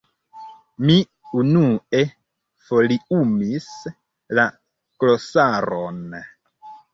Mi unue foliumis la glosaron.